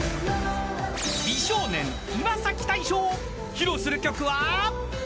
［披露する曲は］